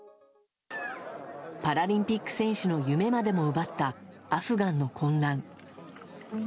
パラリンピック選手の夢までも奪ったアフガンの混乱。